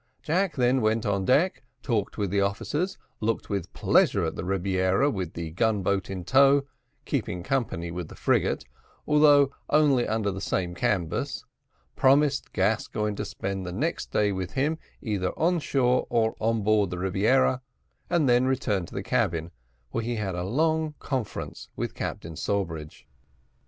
Jack then went on deck, talked with the officers, looked with pleasure at the Rebiera with the gun boat in tow, keeping company with the frigate, although only under the same canvas promised Gascoigne to spend the next day with him either on shore or on board of the Rebiera, and then returned to the cabin, where he had a long conference with Captain Sawbridge.